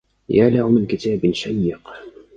يا له من كتاب شيق!